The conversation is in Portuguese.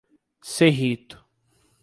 Cerrito